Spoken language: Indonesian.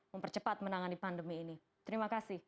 mempercepat menangani pandemi ini terima kasih